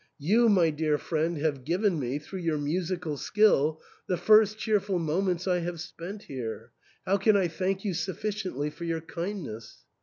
You, my dear friend, have given me, through your musical skill, the first cheerful moments I have spent here. How can I thank you sufficiently for your kindness